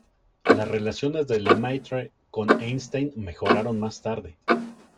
Las relaciones de Lemaître con Einstein mejoraron más tarde.